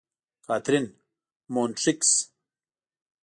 کاترین: مونټریکس.